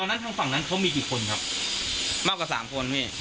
ตอนนั้นทางฝั่งนั้นเขามีกี่คนครับมากกว่า๓คนพี่